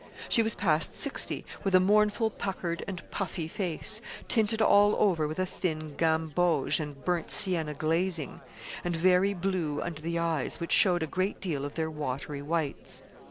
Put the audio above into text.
She was past sixty, with a mournful puckered and puffy face, tinted all over with a thin gamboge and burnt sienna glazing; and very blue under the eyes, which showed a great deal of their watery whites.